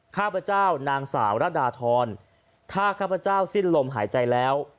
ข้าพเจ้านางสาวระดาทรถ้าข้าพเจ้าสิ้นลมหายใจแล้ว